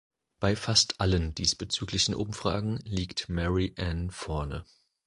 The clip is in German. Bei fast allen diesbezüglichen Umfragen liegt Mary Ann vorne.